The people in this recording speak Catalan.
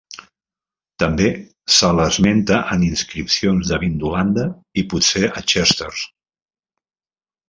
També se l'esmenta en inscripcions de Vindolanda i potser a Chesters.